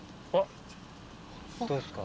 どうですか？